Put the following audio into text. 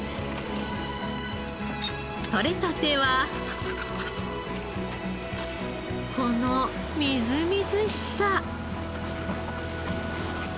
とれたてはこのみずみずしさ。